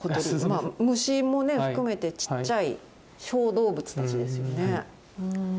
虫もね含めてちっちゃい小動物たちですよね。